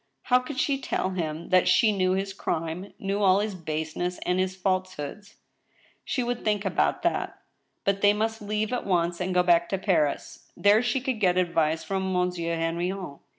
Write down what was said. How could she tell him that she knew his crime — knew all his baseness and his falsehoods ? She would think about that. But they must leave at once and go back to Paris. There she could get advice from Monsieur Heniion.